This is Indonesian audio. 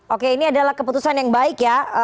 oke ini adalah keputusan yang baik ya